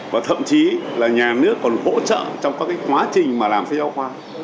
và thậm chí là nhà nước còn hỗ trợ trong các quá trình mà làm sách giao khoa